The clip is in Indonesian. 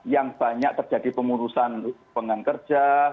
yang banyak terjadi pengurusan pengangkerja